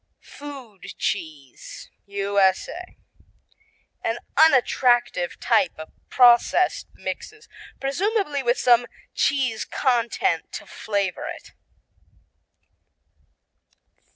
Food cheese U.S.A. An unattractive type of processed mixes, presumably with some cheese content to flavor it.